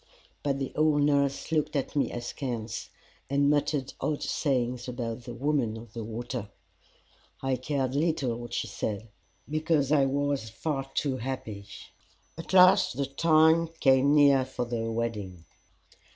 But the old nurse looked at me askance, and muttered odd sayings about the Woman of the Water. I cared little what she said, for I was far too happy. At last the time came near for the wedding.